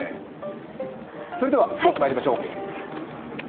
それではスポーツにまいりましょう。